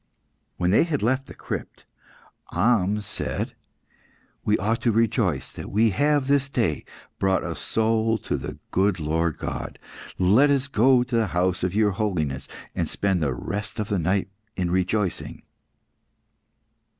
When they had left the crypt, Ahmes said "We ought to rejoice that we have this day brought a soul to the good Lord God; let us go to the house of your Holiness and spend the rest of the night in rejoicing."